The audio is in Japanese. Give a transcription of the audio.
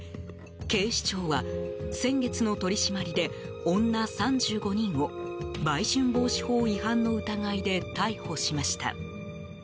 警視庁は先月の取り締まりで、女３５人を売春防止法違反の疑いで逮捕しました。